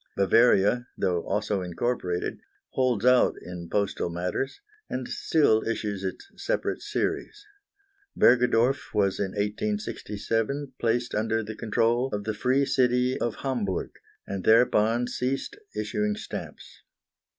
Bavaria, though also incorporated, holds out in postal matters, and still issues its separate series. Bergedorf was in 1867 placed under the control of the free city of Hamburg, and thereupon ceased issuing stamps.